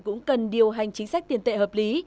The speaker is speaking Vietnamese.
cũng cần điều hành chính sách tiền tệ hợp lý